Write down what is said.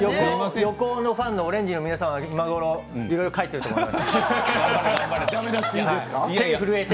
横尾ファンのオレンジの皆さんは今ごろ、いろいろ書いていると思います。